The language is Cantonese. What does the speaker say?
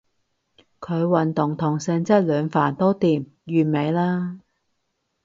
佢運動同成績兩瓣都掂，完美啦